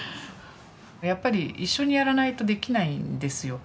やっぱり一緒にやらないとできないんですよ。